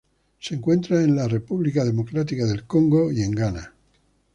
Se encuentra en República Democrática del Congo y Ghana.